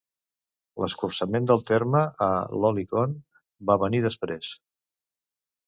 L'escurçament del terme a "lolicon" va venir després.